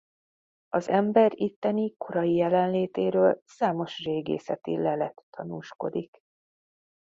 Az ember itteni korai jelenlétéről számos régészeti lelet tanúskodik.